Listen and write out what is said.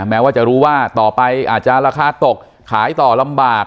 แม้ว่าจะรู้ว่าต่อไปอาจจะราคาตกขายต่อลำบาก